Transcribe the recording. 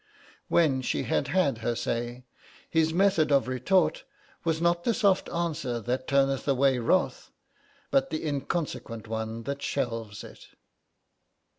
When she had had her say his method of retort was not the soft answer that turneth away wrath but the inconsequent one that shelves it.